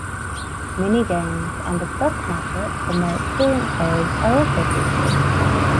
Minigames and a stock market for more experienced players are also featured.